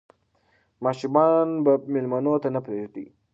ماشومان به مېلمنو ته نه پرېږدي.